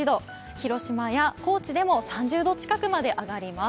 広島や高知でも３０度近くまで上がります。